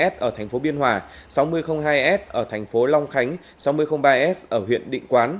sáu nghìn một s ở tp biên hòa sáu nghìn hai s ở tp long khánh sáu nghìn ba s ở huyện định quán